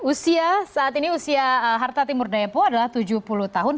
usia saat ini usia harta timur dayapo adalah tujuh puluh tahun